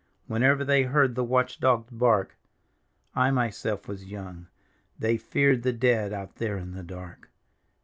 Whenever they heard the watch d(^ bark, / myself vas young. They feared the dead out there in tfic dark.